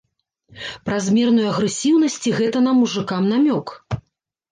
Празмерную агрэсіўнасць ці гэта нам, мужыкам, намёк?